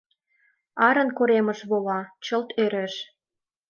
Арын коремыш вола, чылт ӧреш.